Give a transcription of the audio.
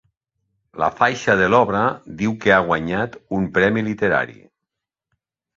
La faixa de l'obra diu que ha guanyat un premi literari.